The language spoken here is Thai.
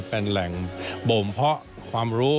เป็นแหล่งบ่มเพาะความรู้